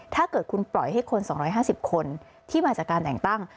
ถ้าเกิดคุณปล่อยให้คน๒๕๐คนที่มาจากการแต่งตั้ง